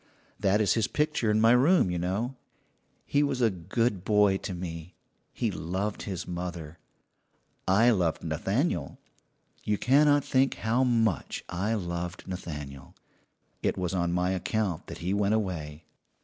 "That is his picture in my room, you know. He was a good boy to me. He loved his mother. I loved Nathaniel you cannot think how much I loved Nathaniel. It was on my account that he went away.